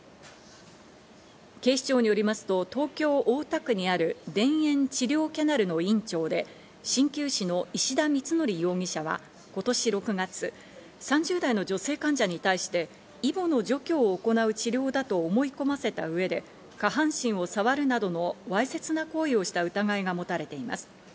警視庁によりますと東京・大田区にある田園治療キャナルの院長で鍼灸師の石田光徳容疑者は、今年６月、３０代の女性患者に対してイボの除去を行う治療だと思い込ませた上で下半身をさわるなどのわいせつな行為をした疑いが持たれています。